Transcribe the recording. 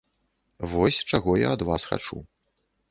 Вось чаго я ад вас хачу.